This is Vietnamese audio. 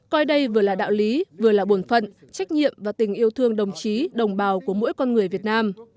coi đây vừa là đạo lý vừa là bổn phận trách nhiệm và tình yêu thương đồng chí đồng bào của mỗi con người việt nam